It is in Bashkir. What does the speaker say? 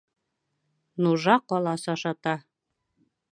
Нужа ҡалас ашата.